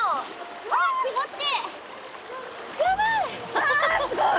あっすごい！